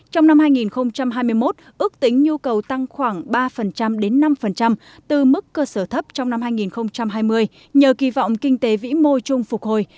trong năm hai nghìn hai mươi một ước tính nhu cầu tăng khoảng ba đến năm từ mức cơ sở thấp trong năm hai nghìn hai mươi nhờ kỳ vọng kinh tế vĩ mô chung phục hồi